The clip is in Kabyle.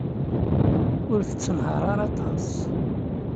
Ur tettenhaṛ ara aṭas.